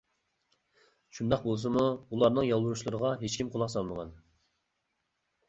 شۇنداق بولسىمۇ، ئۇلارنىڭ يالۋۇرۇشلىرىغا ھېچكىم قۇلاق سالمىغان.